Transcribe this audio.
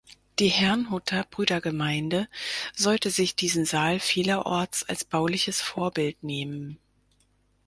Die Herrnhuter Brüdergemeine sollte sich diesen Saal vielerorts als bauliches Vorbild nehmen.